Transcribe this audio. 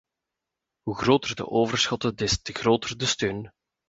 Hoe groter de overschotten, des te groter de steun.